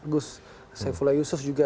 gus saifullah yusuf juga